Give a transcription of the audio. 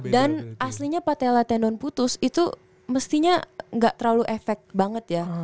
dan aslinya patella tendon putus itu mestinya gak terlalu efek banget ya